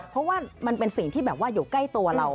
เพราะว่ามันเป็นสิ่งที่แบบว่าอยู่ใกล้ตัวเรา